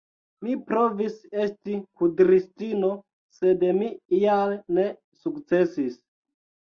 Mi provis esti kudristino, sed mi ial ne sukcesis!